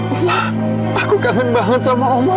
omah aku kangen banget sama omah